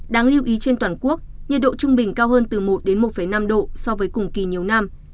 đáng lưu ý trên toàn quốc nhiệt độ trung bình cao hơn từ một đến một năm độ so với cùng kỳ nhiều năm